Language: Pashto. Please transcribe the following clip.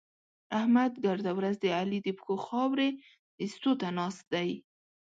احمد ګرده ورځ د علي د پښو خاورې اېستو ته ناست دی.